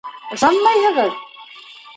Ышанмайһығыҙ?!